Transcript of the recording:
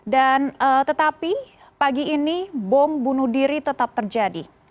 dan tetapi pagi ini bom bunuh diri tetap terjadi